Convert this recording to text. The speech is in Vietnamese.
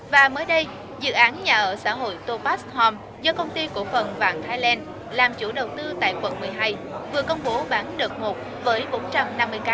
và mới đây dự án nhà ở xã hội topass home do công ty cổ phần vàng thái lan làm chủ đầu tư tại quận một mươi hai vừa công bố bán đợt một với bốn trăm năm mươi căn